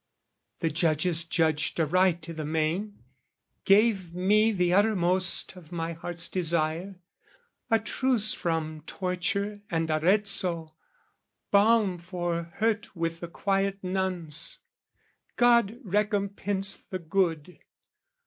The judges judged aright i' the main, gave me The uttermost of my heart's desire, a truce From torture and Arezzo, balm for hurt With the quiet nuns, God recompense the good!